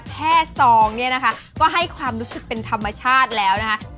ซองเนี่ยนะคะก็ให้ความรู้สึกเป็นธรรมชาติแล้วนะคะ